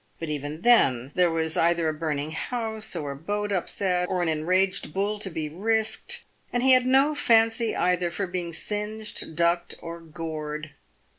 But even then, there was either a burning house, or a boat upset, or an enraged bull to be risked, and he had no fancy either for being singed, ducked, or gored.